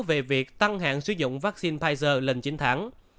về việc tăng hạn sử dụng vaccine pizer lên chín tháng